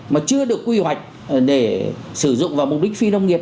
mà chưa được quy hoạch để sử dụng vào mục đích phi nông nghiệp